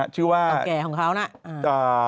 ชื่อว่าเก่าแก่ของเขานะ